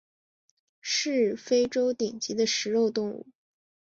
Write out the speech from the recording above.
是非洲顶级的食肉动物。